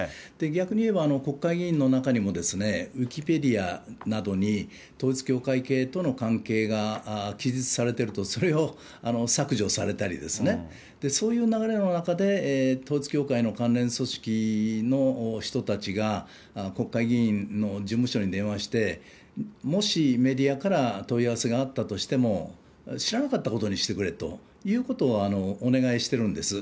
逆に言えば、国会議員の中にも、ウィキペディアなどに、統一教会系との関係が記述されてると、それを削除されたりですね、そういう流れの中で、統一教会の関連組織の人たちが、国会議員の事務所に電話して、もしメディアから問い合わせがあったとしても、知らなかったことにしてくれということをお願いしてるんです。